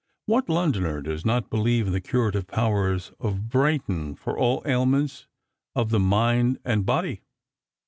What Londoner does not believe in the curative powers of Brighton for all ailments of the mind and body?